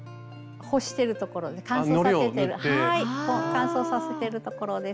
乾燥させてるところです。